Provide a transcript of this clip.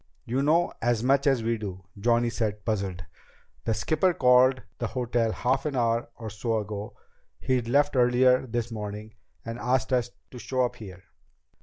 "You know as much as we do," Johnny said, puzzled. "The skipper called the hotel half an hour or so ago he'd left earlier this morning and asked us to show up here.